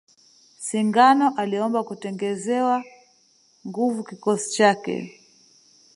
Singano aliomba kungezewa nguvu kikosi chake